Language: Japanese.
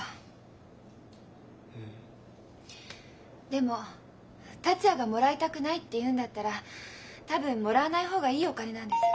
でも達也がもらいたくないって言うんだったら多分もらわない方がいいお金なんです。